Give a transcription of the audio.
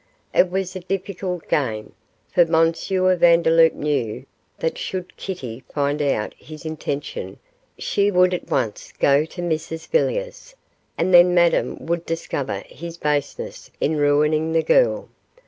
It was a difficult game, for M. Vandeloup knew that should Kitty find out his intention she would at once go to Mrs Villiers, and then Madame would discover his baseness in ruining the girl.